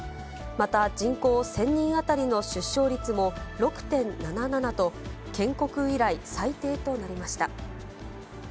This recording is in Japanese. また人口１０００人当たりの出生率も６．７７と、建国以来最低となりました。